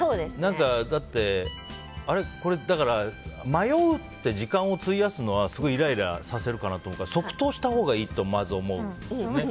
だって迷うって時間を費やすのはすごい、イライラさせるかなと思うから即答したほうがいいと思うんですよね。